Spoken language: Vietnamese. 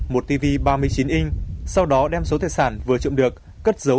một tv ba mươi chín inch sau đó đem số thầy sản vừa trộm được cất giấu